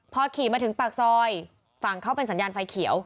พอขี่มาถึงปากซอยฝั่งเขาเป็นสัญญาณไฟเขียว